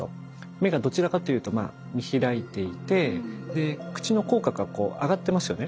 目がどちらかというと見開いていて口の口角が上がってますよね。